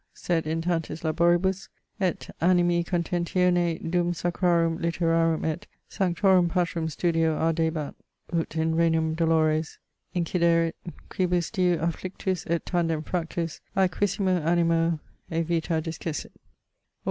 Sed in tantis laboribus et animi contentione dum sacrarum literarum et sanctorum patrum studio ardebat ut in renum dolores inciderit, quibus diu afflictus et tandem fractus aequissimo animo e vita discessit Aug.